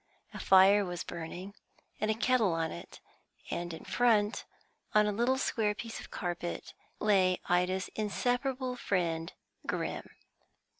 A fire was burning, and a kettle on it; and in front, on a little square piece of carpet, lay Ida's inseparable friend, Grim.